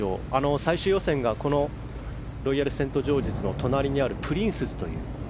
最終予選がロイヤルセントジョージズの隣にあるプリンセスという